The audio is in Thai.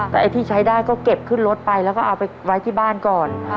แต่ไอ้ที่ใช้ได้ก็เก็บขึ้นรถไปแล้วก็เอาไปไว้ที่บ้านก่อน